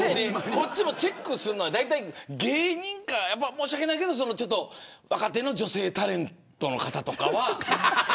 こっちもチェックするのは芸人か、申し訳ないけど若手の女性タレントの方とかは。